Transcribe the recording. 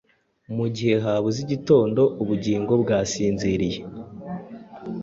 Mugihe habuze igitondo, Ubugingo bwasinziriye,